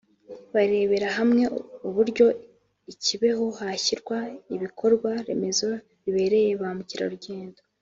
barebera hamwe uburyo i Kibeho hashyirwa ibikorwa remezo bibereye ba mukerarugendo